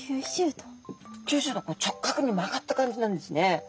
９０度直角に曲がった感じなんですね。